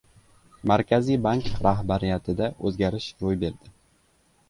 Markaziy Bank rahbariyatida o‘zgarish ro‘y berdi